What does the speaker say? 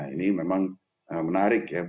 ini memang menarik ya